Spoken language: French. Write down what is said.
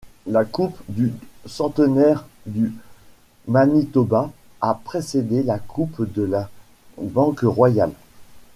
La Coupe du centenaire du Manitoba a précédé la Coupe de la Banque royale.